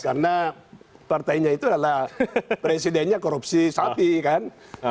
karena partainya itu adalah presidennya korupsi sapi kan